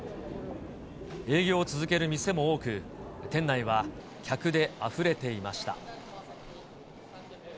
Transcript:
営業を続ける店も多く、店内は客であふれていました。